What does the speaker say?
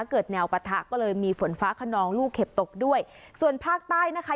เกิดแนวปะทะก็เลยมีฝนฟ้าขนองลูกเห็บตกด้วยส่วนภาคใต้นะคะ